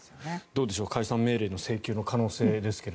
どうでしょう解散命令の請求の可能性ですが。